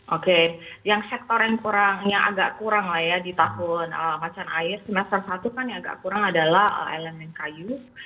oke yang sektor yang agak kurang lah ya di tahun macan air semester satu kan yang agak kurang adalah elemen kayu